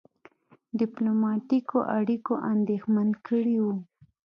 ډيپلوماټیکو اړیکو اندېښمن کړی وو.